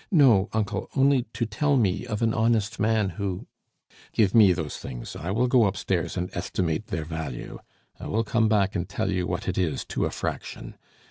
"No, uncle; only to tell me of an honest man who " "Give me those things, I will go upstairs and estimate their value; I will come back and tell you what it is to a fraction.